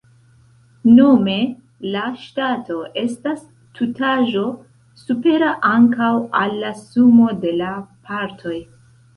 Nome, la Ŝtato estas tutaĵo supera ankaŭ al la sumo de la partoj.